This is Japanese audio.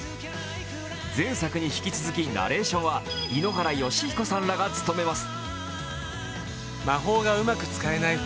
前作に引き続きナレーションは井ノ原快彦さんらが務めます。